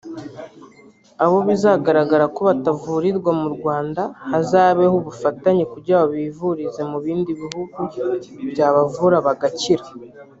abo bizagaragara ko batavurirwa mu Rwanda hazabeho ubufatanye kugira ngo bivurize mu bindi bihugu byabavura bagakira